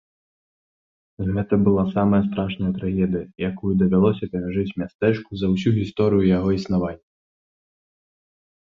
Гэта была самая страшная трагедыя, якую давялося перажыць мястэчку за ўсю гісторыю яго існавання.